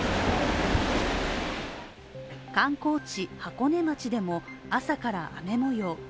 観光地・箱根町でも朝から雨もよう。